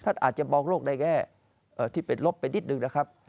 อาจจะมองโลกได้แค่ที่เป็นลบไปนิดนึงนะครับ